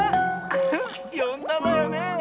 ウフよんだわよね？